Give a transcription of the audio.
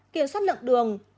kiểm soát lượng đường